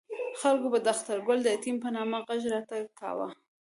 خلکو به د اخترګل د یتیم په نامه غږ راته کاوه.